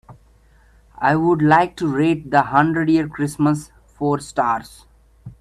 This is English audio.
I would like to rate The Hundred-Year Christmas four stars.